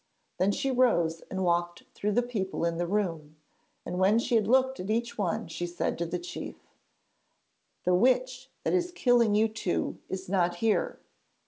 Then she rose and walked through the people in the room, and when she had looked at each one she said to the chief: 'The witch that is killing you two is not here.'